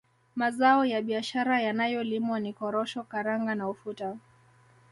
Mazao ya biashara yanayolimwa ni Korosho Karanga na Ufuta